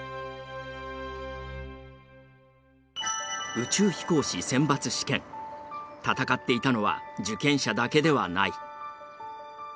宇宙飛行士選抜試験闘っていたのは受験者だけではない。